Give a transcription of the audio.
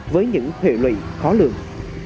với những thuệ lụy khó lường